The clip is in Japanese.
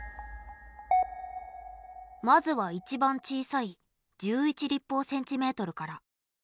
まずは一番小さい１１立方センチメートルから。